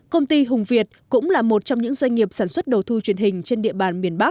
công ty hùng việt cũng là một trong những doanh nghiệp sản xuất đầu thu truyền hình trên địa bàn miền bắc